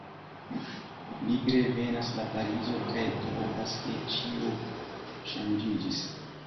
Li revenas la Parizo kaj trovas, ke ĉio ŝanĝiĝis.